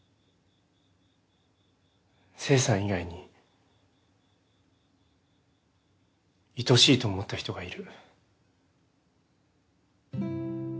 聖さん以外にいとおしいと思った人がいる。